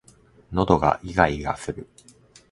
喉がいがいがする